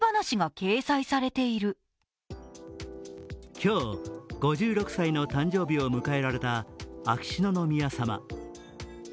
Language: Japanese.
今日、５６歳の誕生日を迎えられた秋篠宮さま。